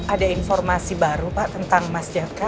ada informasi baru pak tentang mas jafka